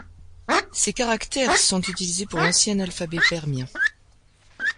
Ces caractères sont utilisés pour l'Ancien alphabet permien.